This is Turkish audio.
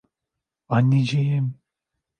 Anneciğim!